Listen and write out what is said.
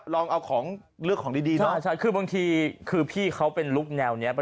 ลองเอาของเลือกของดีเนาะคือบางทีคือพี่เขาเป็นลุคแนวนี้